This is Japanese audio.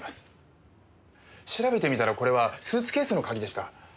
調べてみたらこれはスーツケースの鍵でした。